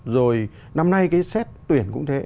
rồi năm nay cái xét tuyển cũng thế